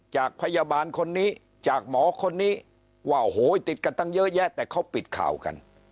จากพยาบาลคนนี้จากหมอคนนี้ว่าโอ้โหติดกันตั้งเยอะแยะแต่เขาปิดข่าวกัน